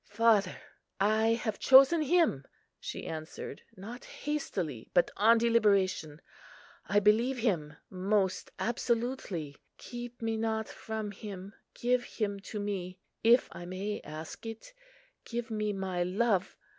"Father, I have chosen Him," she answered, "not hastily, but on deliberation. I believe Him most absolutely. Keep me not from Him; give Him to me, if I may ask it; give me my Love."